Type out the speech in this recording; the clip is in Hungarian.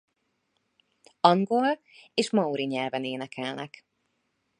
Angol és maori nyelven énekelnek.